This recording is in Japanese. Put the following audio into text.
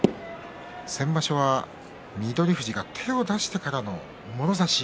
先場所は翠富士が手を出してからのもろ差し。